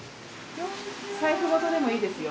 財布ごとでもいいですよ。